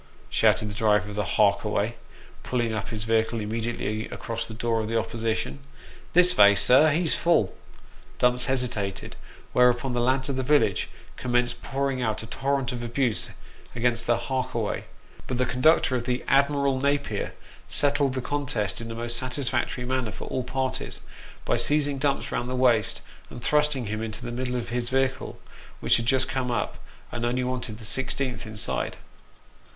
" shouted the driver of the " Hark away," pulling up his vehicle immediately across the door of the opposition " This vay, sir he's full." Dumps hesitated, whereupon the " Lads of the Village" commenced pouring out a torrent of abuse against the " Hark away ;" but the conductor of the " Admiral Napier " settled the contest in a most satisfactory manner, for all parties, by seizing Dumps round the waist, and thrusting him into the middle of his vehicle which had just come up and only wanted the sixteenth inside.